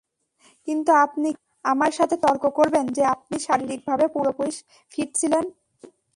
কিন্তু আপনি কী আমার সাথে তর্ক করবেন যে আপনি শারীরিকভাবে পুরোপুরি ফিট ছিলেন?